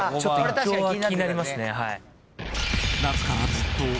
胃腸は気になりますね。